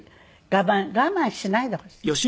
我慢しないでほしい。